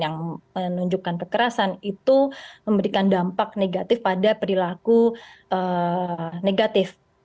yang menunjukkan kekerasan itu memberikan dampak negatif pada perilaku negatif